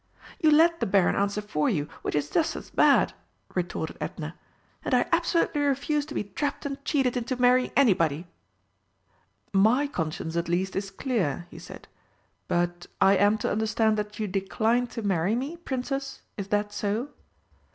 "You let the Baron answer for you, which is just as bad!" retorted Edna. "And I absolutely refuse to be trapped and cheated into marrying anybody!" "My conscience at least is clear," he said. "But I am to understand that you decline to marry me, Princess is that so?"